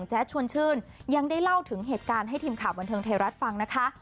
ชวนชื่นยังได้เล่าถึงเหตุการณ์ให้ทีมข่าวบันเทิงไทยรัฐฟังนะคะ